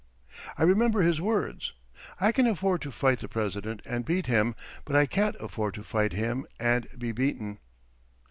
I remember his words, "I can afford to fight the President and beat him, but I can't afford to fight him and be beaten."